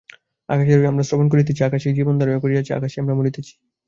আকাশেই আমরা শ্রবণ করিতেছি, আকাশেই জীবনধারণ করিয়া আছি, আকাশেই আমরা মরিতেছি।